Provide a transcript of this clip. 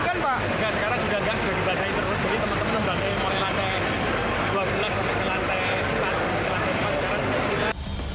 jadi teman teman yang berantai dua belas sampai ke lantai